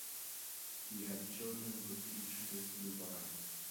He had children with each of his two wives.